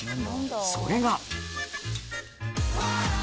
それが。